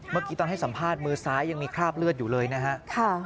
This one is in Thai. เมื่อกี้ตอนให้สัมภาษณ์มือซ้ายยังมีคราบเลือดอยู่เลยนะฮะ